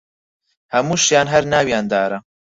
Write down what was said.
هەمووشیان هەر ناویان دارە